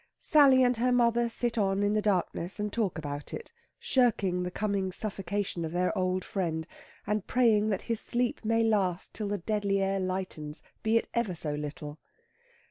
Sally and her mother sit on in the darkness, and talk about it, shirking the coming suffocation of their old friend, and praying that his sleep may last till the deadly air lightens, be it ever so little.